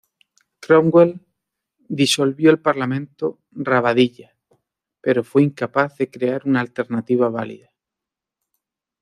Cromwell disolvió el Parlamento Rabadilla, pero fue incapaz de crear una alternativa válida.